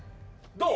どう？